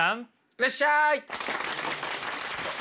いらっしゃい！